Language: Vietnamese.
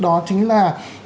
đó chính là